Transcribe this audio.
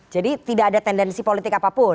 jadi tidak ada tendensi politik apapun